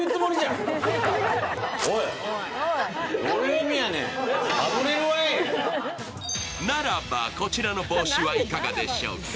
ならば、こちらの帽子はいかがでしょうか。